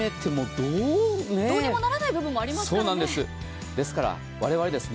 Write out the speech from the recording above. どうにもならない部分もありますからね。